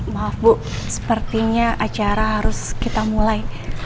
maaf bu sepertinya acara harus kita mulai